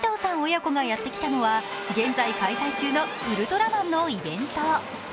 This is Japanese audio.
親子がやってきたのは現在開催中の「ウルトラマン」のイベント。